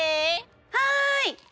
はい！